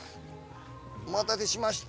お待たせしました。